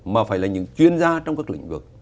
mà phải là những chuyên gia trong các lĩnh vực